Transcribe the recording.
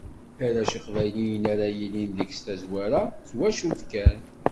Arrac Iqbayliyen ara yilin deg-s tazwara, d twacult kan.